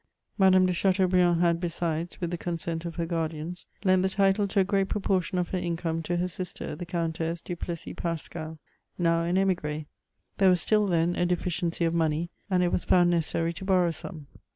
Madame de Chateaubriand ha^ besides, with the consent of her guardians, lent the title to a great proportion of her income to her sister, the Countess du Flessis ParBcao, now an Smigree. Thoe was still, then, a deficiency of money, and it was found necessary to borrow some.